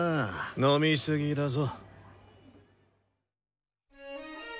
飲み過ぎだぞ。